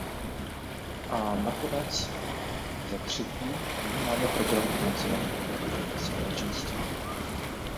A nakonec, za třetí, nyní máme program financovaný výhradně Společenstvím.